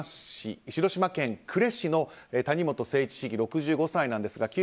広島県呉市の谷本誠一市議、６５歳です。